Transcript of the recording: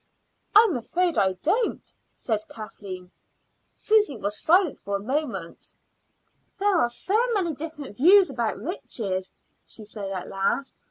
"I'm afraid I don't," said Kathleen. Susy was silent for a moment. "There are so many different views about riches," she said at last.